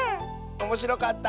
おもしろかった？